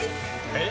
えっ？